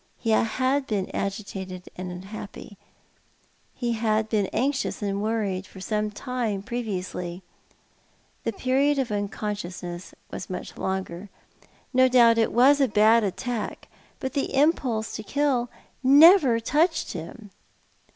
He had been agitated and unhappy — he had been anxious and worried for some time previously. The period of unconsciousnefs was much longer. No doubt it was a bad attack — but the impulse to kill never touched him.